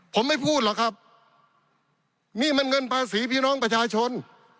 ผมไม่พูดหรอกครับนี่มันเงินภาษีพี่น้องประชาชน